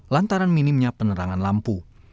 lantaran minimnya penerangan lampu